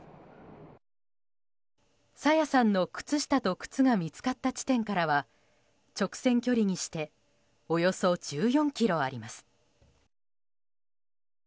朝芽さんの靴下と靴が見つかった地点からは直線距離にしておよそ１４ｋｍあります。